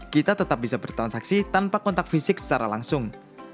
kita tetap bisa bertransaksi tanpa kontak fisik secara langsung